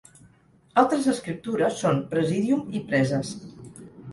Altres escriptures són "presidium" i "preses".